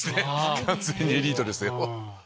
完全にエリートですよ。